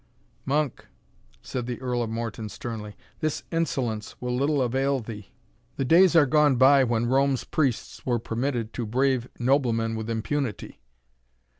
"Monk!" said the Earl of Morton, sternly, "this insolence will little avail thee; the days are gone by when Rome's priests were permitted to brave noblemen with impunity.